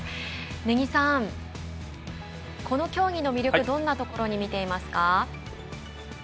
根木さん、この競技の魅力どんなところに見ていますか。